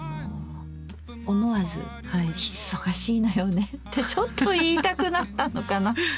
思わず「忙しいのよね」ってちょっと言いたくなったのかなって。